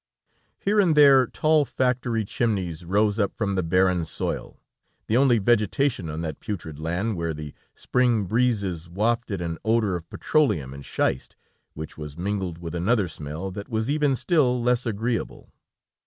Here and there tall factory chimneys rose up from the barren soil; the only vegetation on that putrid land, where the spring breezes wafted an odor of petroleum and shist, which was mingled with another smell, that was even still less agreeable.